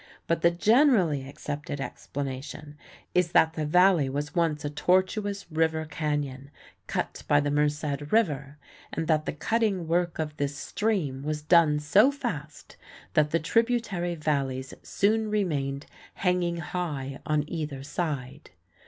But the generally accepted explanation is that the Valley was once a tortuous river canyon cut by the Merced River, and that the cutting work of this stream was done so fast that the "tributary valleys soon remained hanging high on either side."